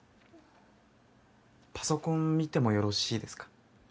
パソコン見てもよろしいですか？